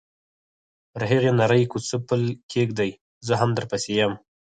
پر هغې نرۍ کوڅه پل کېږدۍ، زه هم درپسې یم.